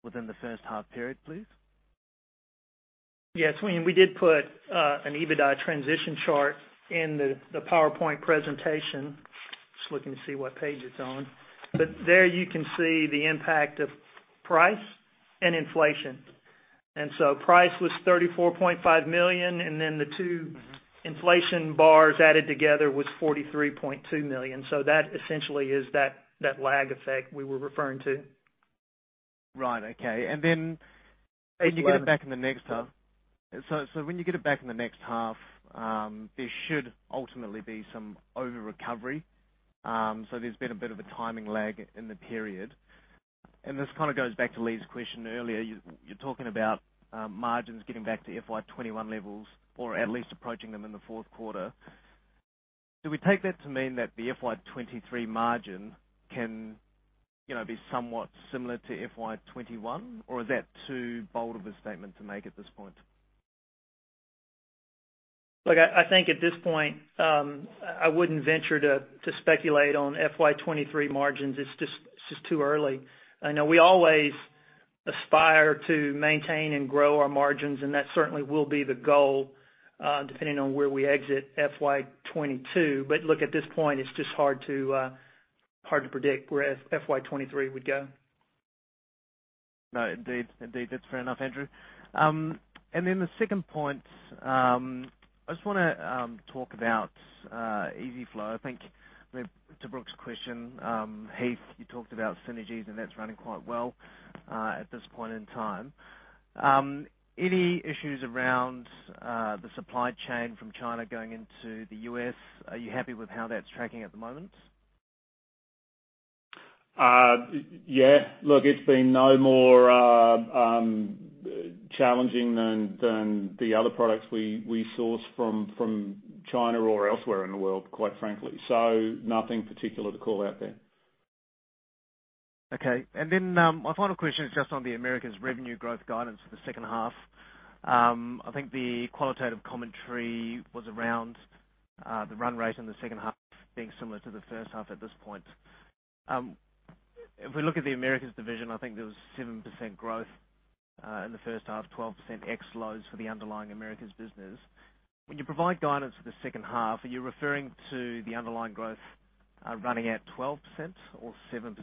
within the first half period, please? Yes. We did put an EBITDA transition chart in the PowerPoint presentation. Just looking to see what page it's on. There you can see the impact of price and inflation. Price was $34.5 million, and then the two- Mm-hmm. Inflation bars added together was $43.2 million. That essentially is that lag effect we were referring to. Right. Okay. Last- When you get it back in the next half, there should ultimately be some over-recovery. There's been a bit of a timing lag in the period. This kinda goes back to Lee's question earlier. You're talking about margins getting back to FY 2021 levels or at least approaching them in the fourth quarter. Do we take that to mean that the FY 2023 margin can, you know, be somewhat similar to FY 2021, or is that too bold of a statement to make at this point? Look, I think at this point, I wouldn't venture to speculate on FY 2023 margins. It's just too early. I know we always aspire to maintain and grow our margins, and that certainly will be the goal, depending on where we exit FY 2022. Look, at this point, it's just hard to predict where FY 2023 would go. No, indeed. Indeed, that's fair enough, Andrew. The second point, I just wanna talk about EZ-FLO. I think to Brook's question, Heath, you talked about synergies, and that's running quite well at this point in time. Any issues around the supply chain from China going into the U.S., are you happy with how that's tracking at the moment? Yeah. Look, it's been no more challenging than the other products we source from China or elsewhere in the world, quite frankly. Nothing particular to call out there. Okay. My final question is just on the Americas revenue growth guidance for the second half. I think the qualitative commentary was around the run rate in the second half being similar to the first half at this point. If we look at the Americas division, I think there was 7% growth in the first half, 12% ex Lowe's for the underlying Americas business. When you provide guidance for the second half, are you referring to the underlying growth running at 12% or 7%?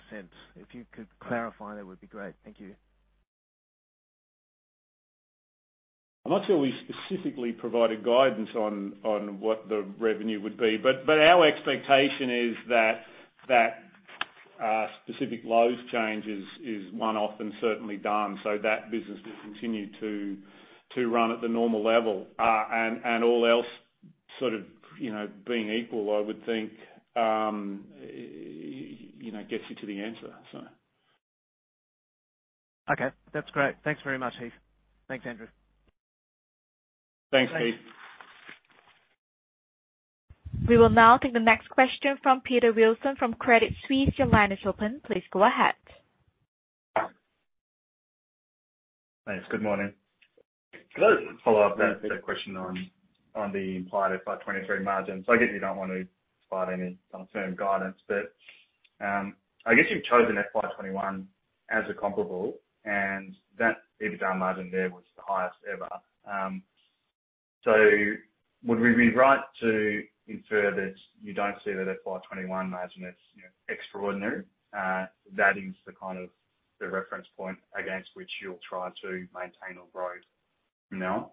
If you could clarify, that would be great. Thank you. I'm not sure we specifically provided guidance on what the revenue would be, but our expectation is that specific Lowe's change is one-off and certainly done. That business will continue to run at the normal level. All else sort of, you know, being equal, I would think you know, gets you to the answer, so. Okay. That's great. Thanks very much, Heath. Thanks, Andrew. Thanks, Keith. We will now take the next question from Peter Wilson from Credit Suisse. Your line is open. Please go ahead. Thanks. Good morning. Hello. Follow up on that question on the implied FY 2023 margins. I guess you don't want to provide any kind of long-term guidance, but I guess you've chosen FY 2021 as a comparable, and that EBITDA margin there was the highest ever. Would we be right to infer that you don't see that FY 2021 margin as extraordinary? That is the reference point against which you'll try to maintain or grow from now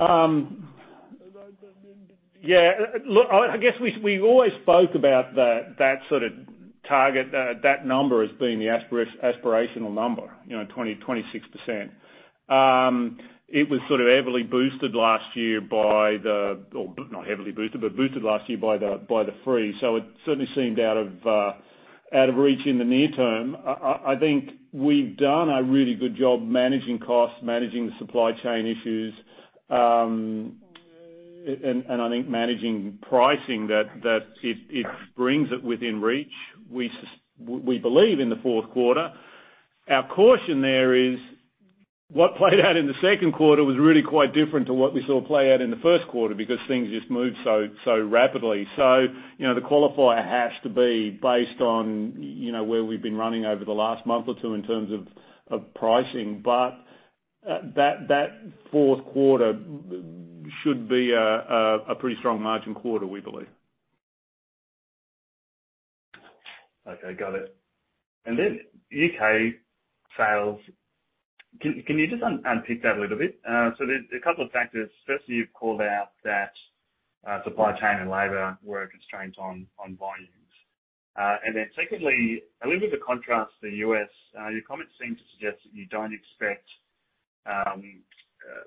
on? Yeah. Look, I guess we've always spoke about that sort of target, that number as being the aspirational number, you know, 26%. It was sort of heavily boosted last year by the... Or not heavily boosted, but boosted last year by the freight. So it certainly seemed out of reach in the near term. I think we've done a really good job managing costs, managing the supply chain issues, and I think managing pricing that it brings it within reach. We believe in the fourth quarter. Our caution there is what played out in the second quarter was really quite different to what we saw play out in the first quarter because things just moved so rapidly. You know, the qualifier has to be based on, you know, where we've been running over the last month or two in terms of pricing. That fourth quarter should be a pretty strong margin quarter, we believe. Okay, got it. U.K. sales. Can you just unpick that a little bit? So there's a couple of factors. Firstly, you've called out that supply chain and labor were a constraint on volumes. Secondly, a little bit of contrast to the U.S., your comments seem to suggest that you don't expect,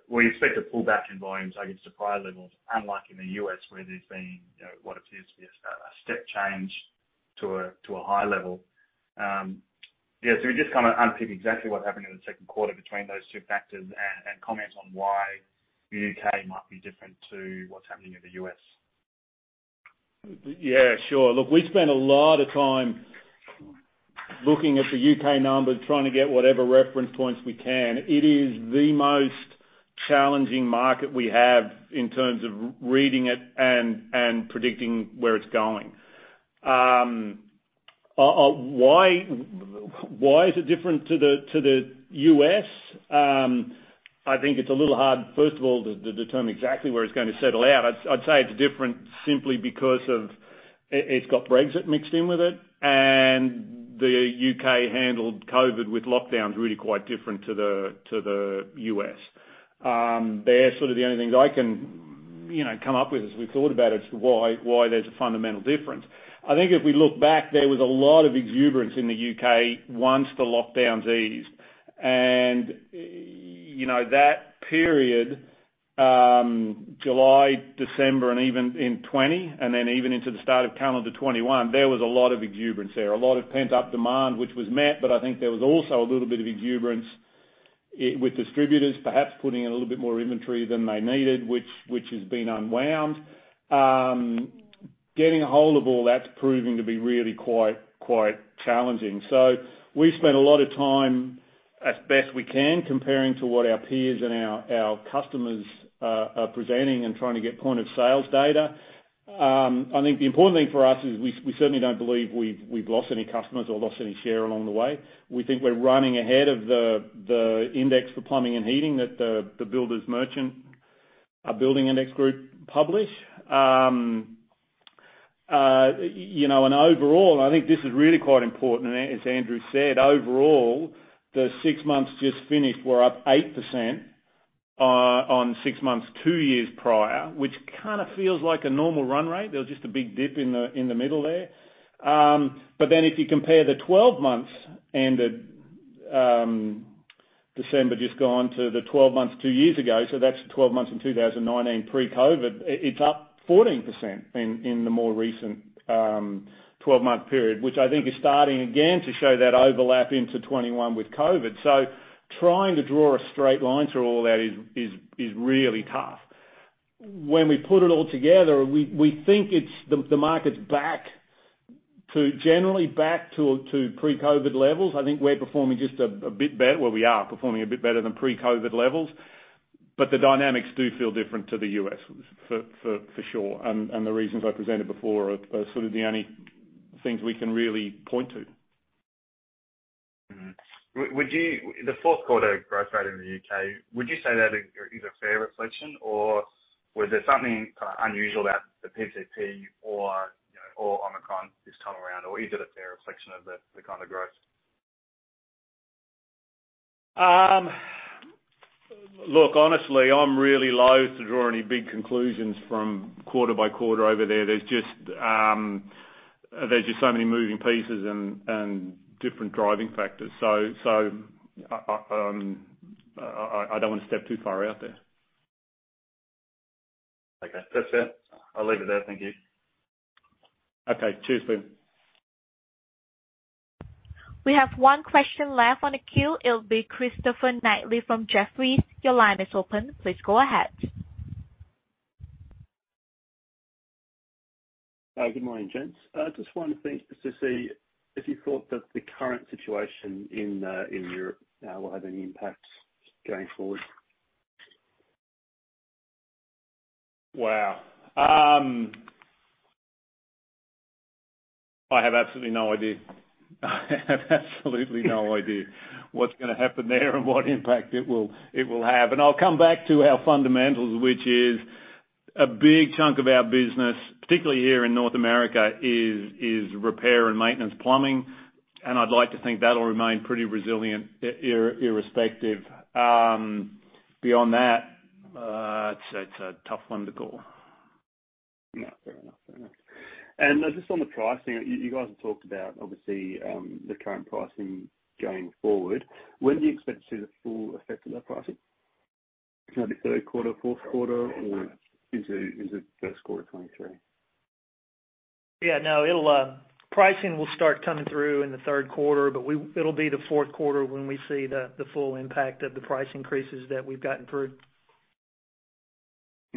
well you expect a pullback in volumes against the prior levels, unlike in the U.S. where there's been what appears to be a step change to a higher level. Just kinda unpick exactly what happened in the second quarter between those two factors and comment on why the U.K. might be different to what's happening in the U.S. Yeah, sure. Look, we spent a lot of time looking at the U.K. numbers, trying to get whatever reference points we can. It is the most challenging market we have in terms of reading it and predicting where it's going. Why is it different to the U.S.? I think it's a little hard, first of all, to determine exactly where it's gonna settle out. I'd say it's different simply because it's got Brexit mixed in with it, and the U.K. handled COVID with lockdowns really quite different to the U.S. They're sort of the only things I can, you know, come up with as we thought about as to why there's a fundamental difference. I think if we look back, there was a lot of exuberance in the U.K. once the lockdowns eased. You know, that period, July, December, and even in 2020, and then even into the start of calendar 2021, there was a lot of exuberance there, a lot of pent-up demand which was met, but I think there was also a little bit of exuberance with distributors perhaps putting in a little bit more inventory than they needed, which has been unwound. Getting a hold of all that's proving to be really quite challenging. We've spent a lot of time as best we can comparing to what our peers and our customers are presenting and trying to get point of sales data. I think the important thing for us is we certainly don't believe we've lost any customers or lost any share along the way. We think we're running ahead of the index for plumbing and heating that the builders merchant building index group publish. You know, and overall, I think this is really quite important, and as Andrew said, overall, the six months just finished were up 8% on six months twoyears prior, which kinda feels like a normal run rate. There was just a big dip in the middle there. But then if you compare the 12 months ended December just gone to the 12 months two years ago, so that's the 12 months in 2019 pre-COVID, it's up 14% in the more recent 12-month period, which I think is starting again to show that overlap into 2021 with COVID. Trying to draw a straight line through all that is really tough. When we put it all together, we think it's the market's generally back to pre-COVID levels. I think we're performing just a bit better, well we are performing a bit better than pre-COVID levels. The dynamics do feel different to the U.S. for sure. The reasons I presented before are sort of the only things we can really point to. Would you say that is a fair reflection or was there something kinda unusual about the PCP or, you know, or Omicron this time around, or is it a fair reflection of the kind of growth? Look, honestly, I'm really loath to draw any big conclusions from quarter-by-quarter over there. There's just so many moving pieces and different driving factors. I don't wanna step too far out there. Okay. That's it. I'll leave it there. Thank you. Okay. Cheers, Peter. We have one question left on the queue. It'll be Christopher Kightley from Jefferies. Your line is open. Please go ahead. Good morning, gents. I just wanted to see if you thought that the current situation in Europe will have any impact going forward. Wow. I have absolutely no idea. I have absolutely no idea what's gonna happen there and what impact it will have. I'll come back to our fundamentals, which is a big chunk of our business, particularly here in North America, repair and maintenance plumbing, and I'd like to think that'll remain pretty resilient irrespective. Beyond that, it's a tough one to call. Yeah. Fair enough. Just on the pricing, you guys have talked about, obviously, the current pricing going forward. When do you expect to see the full effect of that pricing? Can it be third quarter, fourth quarter, or is it first quarter 2023? Yeah. No. It'll pricing will start coming through in the third quarter, but it'll be the fourth quarter when we see the full impact of the price increases that we've gotten through.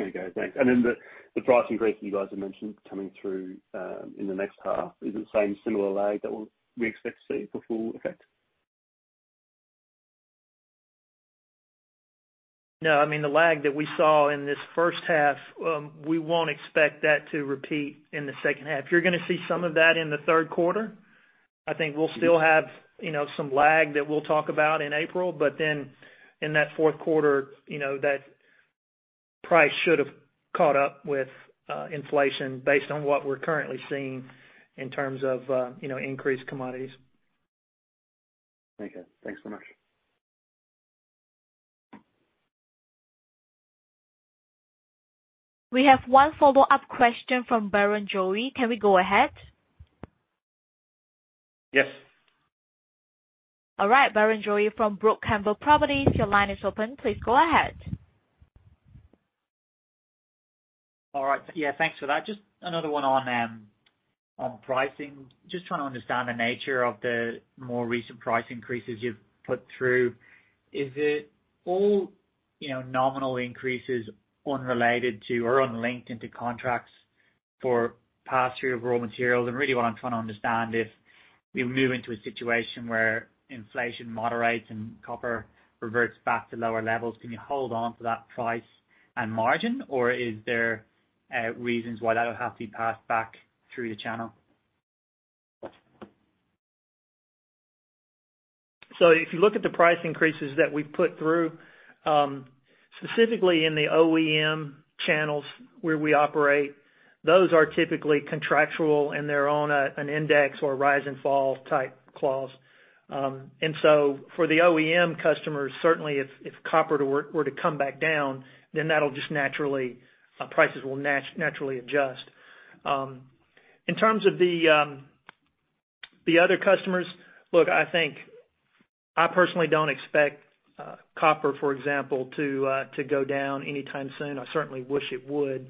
Okay, thanks. The price increase you guys have mentioned coming through in the next half, is it the same similar lag that we expect to see the full effect? No. I mean, the lag that we saw in this first half, we won't expect that to repeat in the second half. You're gonna see some of that in the third quarter. I think we'll still have, you know, some lag that we'll talk about in April, but then in that fourth quarter, you know, that price should have caught up with inflation based on what we're currently seeing in terms of, you know, increased commodities. Okay. Thanks so much. We have one follow-up question from Barrenjoey. Can we go ahead? Yes. All right. Barrenjoey from Brooke Campbell Properties, your line is open. Please go ahead. All right. Yeah, thanks for that. Just another one on pricing. Just trying to understand the nature of the more recent price increases you've put through. Is it all, you know, nominal increases unrelated to or unlinked to contracts for pass-through of raw materials? Really what I'm trying to understand if we move into a situation where inflation moderates and copper reverts back to lower levels, can you hold on to that price and margin, or is there reasons why that'll have to be passed back through the channel? If you look at the price increases that we put through, specifically in the OEM channels where we operate, those are typically contractual, and they're on an index or a rise and fall type clause. For the OEM customers, certainly if copper were to come back down, then that'll just naturally, prices will naturally adjust. In terms of the other customers, look, I think I personally don't expect copper, for example, to go down anytime soon. I certainly wish it would.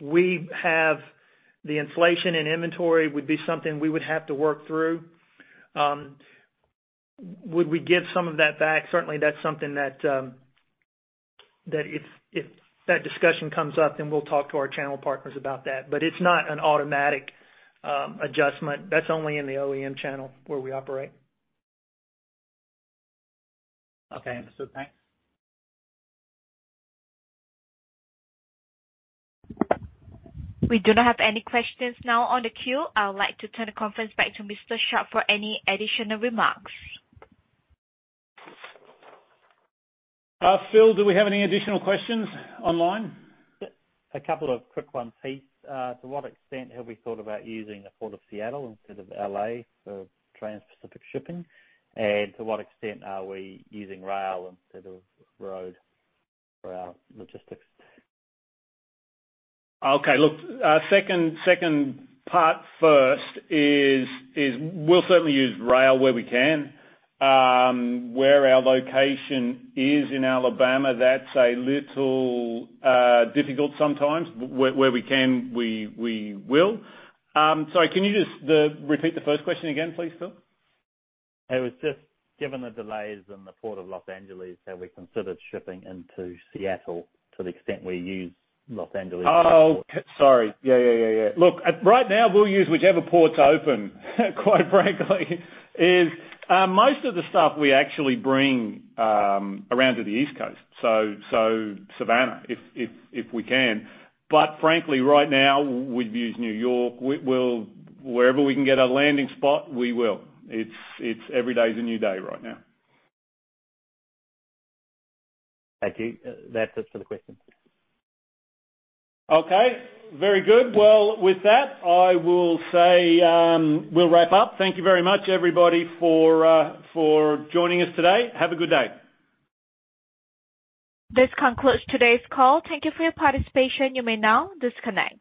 We have the inflation and inventory would be something we would have to work through. Would we give some of that back? Certainly, that's something that if that discussion comes up, then we'll talk to our channel partners about that. It's not an automatic adjustment. That's only in the OEM channel where we operate. Okay. Understood. Thanks. We do not have any questions now on the queue. I would like to turn the conference back to Mr. Sharp for any additional remarks. Phil, do we have any additional questions online? A couple of quick ones, please. To what extent have we thought about using the Port of Seattle instead of L.A. for transpacific shipping? To what extent are we using rail instead of road for our logistics? Okay. Look, second part first is we'll certainly use rail where we can. Where our location is in Alabama, that's a little difficult sometimes. Where we can, we will. Sorry, can you just repeat the first question again, please, Phil? Given the delays in the Port of Los Angeles, have we considered shipping into Seattle to the extent we use Los Angeles? Oh, sorry. Yeah. Look, right now we'll use whichever port's open, quite frankly. Most of the stuff we actually bring around to the East Coast, Savannah if we can. But frankly, right now we'd use New York. We'll wherever we can get a landing spot, we will. It's every day is a new day right now. Thank you. That's it for the questions. Okay, very good. Well, with that, I will say, we'll wrap up. Thank you very much, everybody, for joining us today. Have a good day. This concludes today's call. Thank you for your participation. You may now disconnect.